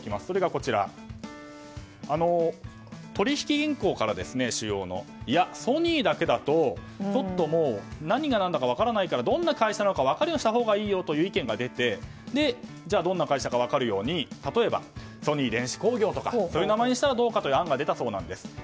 それが、主要の取引銀行からいや、ソニーだけだと何が何だか分からないからどんな会社なのか分かるようにしたほうがいいよという意見が出てどんな会社か分かるように例えばソニー電子工業とかそういう名前にしたらどうかという案が出たそうなんです。